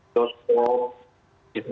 tempat tempat ya kota